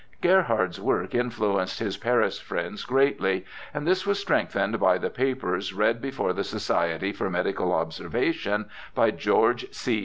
Gerhard's work influenced his Paris friends greatly, and this was strengthened by the papers read before the Society for Medical Observation by George C.